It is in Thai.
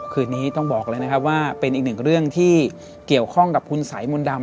คืนนี้ต้องบอกเลยนะครับว่าเป็นอีกหนึ่งเรื่องที่เกี่ยวข้องกับคุณสายมนต์ดำ